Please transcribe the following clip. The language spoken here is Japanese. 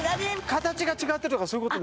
形が違ってとかそういうこと？